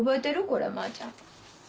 これまーちゃん。